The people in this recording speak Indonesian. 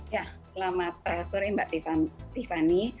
ya selamat sore mbak tiffany